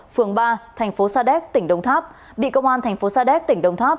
phường ba thành phố sa đéc tỉnh đông tháp bị công an thành phố sa đéc tỉnh đông tháp